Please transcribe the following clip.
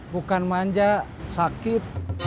bukan manja sakit